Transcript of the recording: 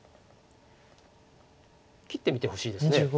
切ってみてほしいです。